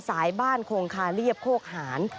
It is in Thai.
สายบ้านโคงคาเรียบโคกหาร